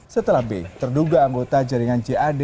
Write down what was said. setelah b terduga anggota jaringan jad